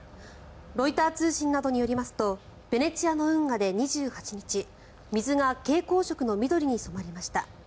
ロイター通信などによりますとベネチアの運河で２８日水が蛍光色の緑に染まりました。